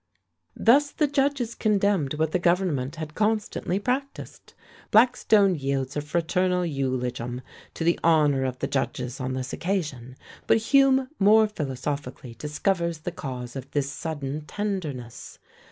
Thus the judges condemned what the government had constantly practised. Blackstone yields a fraternal eulogium to the honour of the judges on this occasion; but Hume more philosophically discovers the cause of this sudden tenderness.